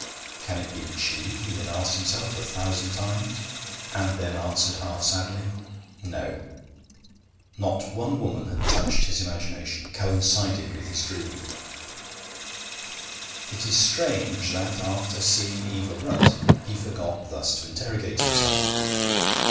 'Can it be she? he had asked himself a thousand times, and then answered half sadly, 'No.' Not one woman had touched his imagination, coincided with his dream. It is strange that after seeing Eva Brunt he forgot thus to interrogate himself.